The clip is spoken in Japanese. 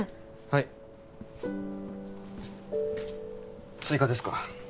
はい追加ですか？